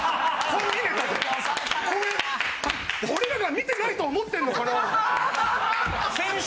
俺らが見てないと思ってんのかな。